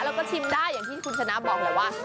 แล้วก็ชิมได้อย่างที่คุณชนะบอกแหละว่า